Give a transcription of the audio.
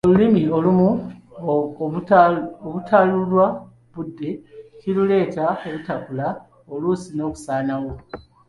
Olulimi olumu obutaluwa budde kiruleetera obutakula oluusi n'okusaanawo.